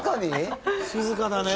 静かだね。